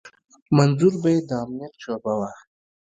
منظور به يې د امنيت شعبه وه.